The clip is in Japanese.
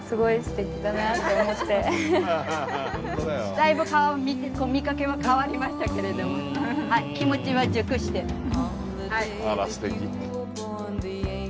だいぶ顔見かけも変わりましたけれど気持ちは熟してる。